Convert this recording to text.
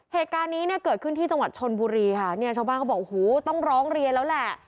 เหตุการณ์นี้เนี่ยเกิดขึ้นที่จังหวัดชนบุรีค่ะเนี่ยชาวบ้านเขาบอกโอ้โหต้องร้องเรียนแล้วแหละ